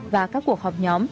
và các cuộc họp nhóm